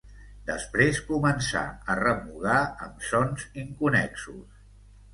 Després començà a remugar amb sons inconnexos.